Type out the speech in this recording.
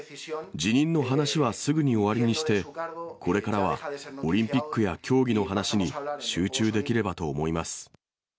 辞任の話はすぐに終わりにして、これからはオリンピックや競技の話に集中できればと思います。